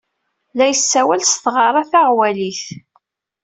La yessawal s tɣara taɣwalit.